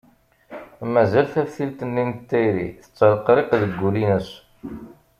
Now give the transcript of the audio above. Mazal taftilt-nni n tayri tettreqriq deg wul-ines.